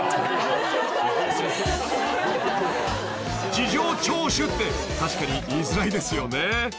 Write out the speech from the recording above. ［「事情聴取」って確かに言いづらいですよね］